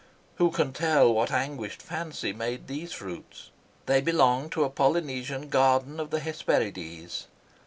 Who can tell what anguished fancy made these fruits? They belonged to a Polynesian garden of the Hesperides.